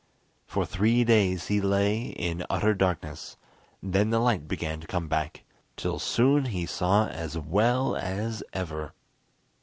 For three days he lay in utter darkness; then the light began to come back, till soon he saw as well as ever.